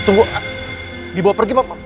tunggu dibawa pergi apa